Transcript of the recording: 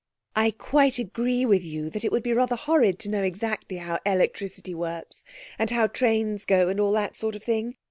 'I quite agree with you that it would be rather horrid to know exactly how electricity works, and how trains go, and all that sort of thing.